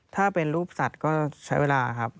ถ้าเป็นรูปสัตว์ก็ใช้เวลาครับ